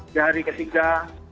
di hari ketiga